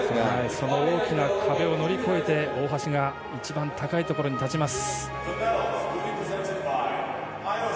その大きな壁を乗り越えて大橋が一番高いところに立ちます。